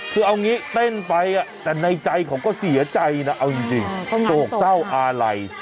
คือเอางี้เต้นไปแต่ในใจเขาก็เสียใจนะเอาจริงโศกเศร้าอะไร